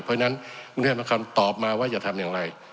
เพราะฉะนั้นกรุงเทพหมาละครตอบมาว่าจะทำอย่างไร